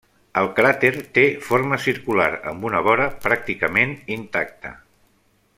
El cràter té forma circular, amb una vora pràcticament intacta.